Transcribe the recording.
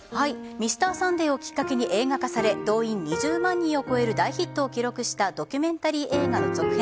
「Ｍｒ．サンデー」をきっかけに映画化され動員２０万人を超える大ヒットを記録したドキュメンタリー映画の続編